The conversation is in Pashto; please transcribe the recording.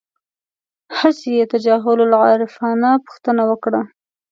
هسې یې تجاهل العارفانه پوښتنه وکړه.